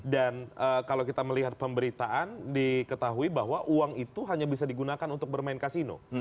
dan kalau kita melihat pemberitaan diketahui bahwa uang itu hanya bisa digunakan untuk bermain kasino